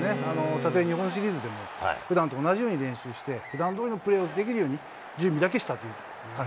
たとえ日本シリーズでも、ふだんと同じように練習して、ふだんどおりのプレーができるように、なるほど。